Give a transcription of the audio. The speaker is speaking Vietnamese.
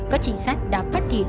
các chiến sát đã phát hiện